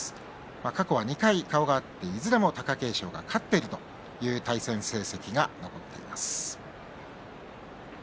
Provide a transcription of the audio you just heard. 過去は２回顔が合っていずれも貴景勝が勝っているという対戦成績が残っています。